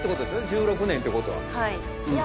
１６年ってことはいや